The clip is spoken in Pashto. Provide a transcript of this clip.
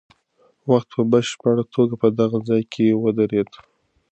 وخت په بشپړه توګه په دغه ځای کې ودرېد.